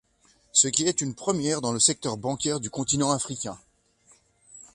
Ce qui est une première dans le secteur bancaire du continent africain.